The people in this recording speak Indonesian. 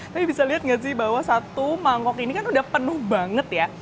tapi bisa lihat nggak sih bahwa satu mangkok ini kan udah penuh banget ya